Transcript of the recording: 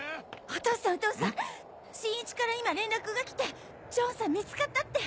お父さんお父さん新一から今連絡が来てジョンさん見つかったって！